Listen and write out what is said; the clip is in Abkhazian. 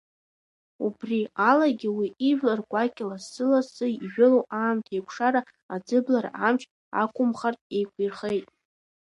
Убри алагьы уи ижәлар гәакьа лассы-лассы ижәылоу аамҭеикәшара аӡыблара амч ақәымхартә еиқәирхеит.